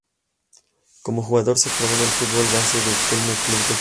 Como jugador se formó en el fútbol base del Kelme Club de Fútbol.